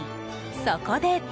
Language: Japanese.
そこで。